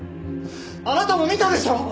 あなたも見たでしょ？